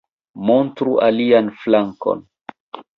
Montru alian flankon